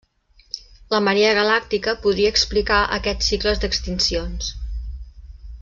La marea galàctica podria explicar aquests cicles d'extincions.